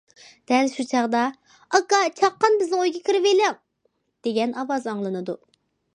دەل شۇ چاغدا‹‹ ئاكا، چاققان بىزنىڭ ئۆيگە كىرىۋېلىڭ›› دېگەن ئاۋاز ئاڭلىنىدۇ.